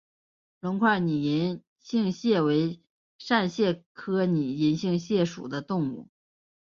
隆块拟银杏蟹为扇蟹科拟银杏蟹属的动物。